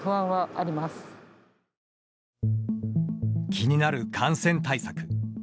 気になる感染対策。